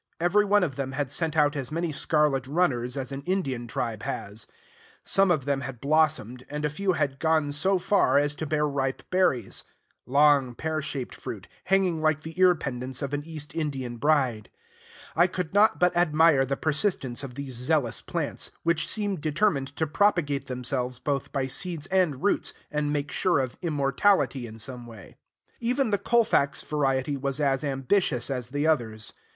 Every one of them had sent out as many scarlet runners as an Indian tribe has. Some of them had blossomed; and a few had gone so far as to bear ripe berries, long, pear shaped fruit, hanging like the ear pendants of an East Indian bride. I could not but admire the persistence of these zealous plants, which seemed determined to propagate themselves both by seeds and roots, and make sure of immortality in some way. Even the Colfax variety was as ambitious as the others.